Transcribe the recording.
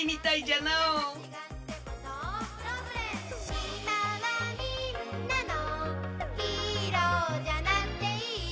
「今はみんなのヒーローじゃなくていい」